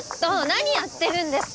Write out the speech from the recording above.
何やってるんですか！？